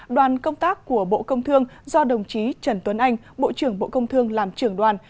đoàn công tác của bộ công thương do đồng chí trần tuấn anh bộ trưởng bộ công thương làm trưởng đoàn